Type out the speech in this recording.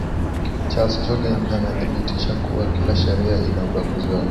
charles joughin anathibitisha kuwa kila sheria ina ubaguzi wake